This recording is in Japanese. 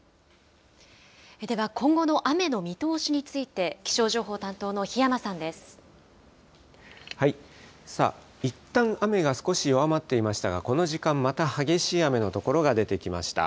では、今後の雨の見通しについて、さあ、いったん雨が少し弱まっていましたが、この時間、また激しい雨の所が出てきました。